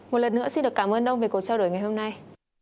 một lần nữa xin được cảm ơn ông về cuộc trao đổi ngày hôm nay